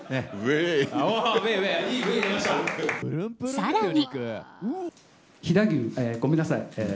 更に。